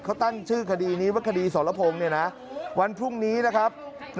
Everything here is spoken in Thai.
เขาตั้งชื่อคดีนี้ว่าคดีสรพงศ์วันพรุ่งนี้นะครับ